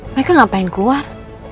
mereka ngapain keluar